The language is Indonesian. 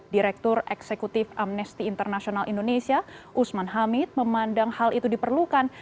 direktur eksekutif amnesty international indonesia usman hamid memandang hal itu diperlukan